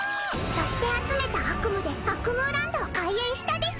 そして集めた悪夢でアクムーランドを開園したです！